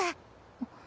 あっ。